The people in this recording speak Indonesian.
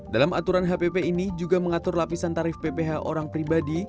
dalam aturan hpp ini juga mengatur lapisan tarif pph orang pribadi